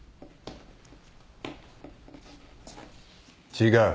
違う。